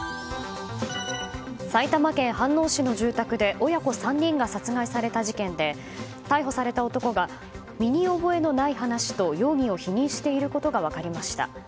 埼玉県飯能市の住宅で親子３人が殺害された事件で逮捕された男が身に覚えのない話と容疑を否認していることが分かりました。